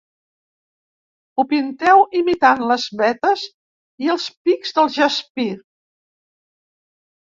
Ho pinteu imitant les vetes i els pics del jaspi.